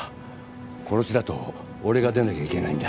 殺しだと俺が出なきゃいけないんだ。